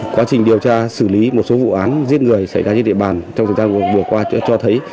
quá trình điều tra xử lý một số vụ án giết người xảy ra trên địa bàn trong thời gian vừa qua cho thấy